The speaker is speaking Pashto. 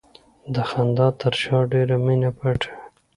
د خندا تر شا ډېره مینه پټه وي.